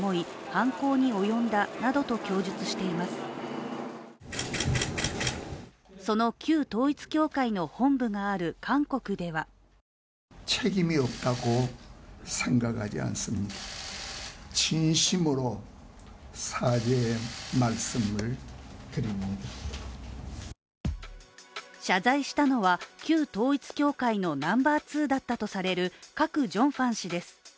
犯行に及んだなどと供述その旧統一教会の本部がある韓国では謝罪したのは、旧統一教会のナンバー２だったとされる、カク・ジョンファン氏です。